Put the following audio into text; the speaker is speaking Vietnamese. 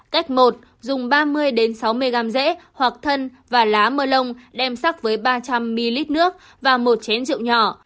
cách một dùng ba mươi sáu mươi gram dễ hoặc thân và lá mơ lông đem sắc với ba trăm linh ml nước và một chén rượu nhỏ